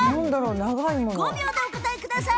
５秒でお答えください。